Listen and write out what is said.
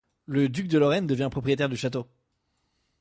Le duc de Lorraine devient propriétaire du château.